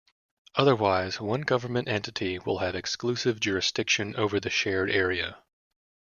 Otherwise, one government entity will have exclusive jurisdiction over the shared area.